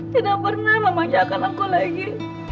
tidak pernah memanjakan aku lagi